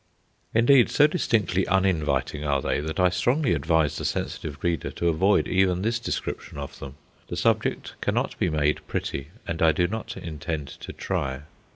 Indeed, so distinctly uninviting are they, that I strongly advise the sensitive reader to avoid even this description of them. The subject cannot be made pretty, and I do not intend to try.